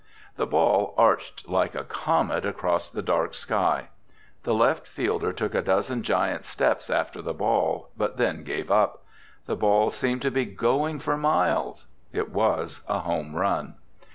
The ball arched like a comet across the dark sky. The left fielder took a dozen giant steps after the ball but then gave up. The ball seemed to be going for miles. It was a home run.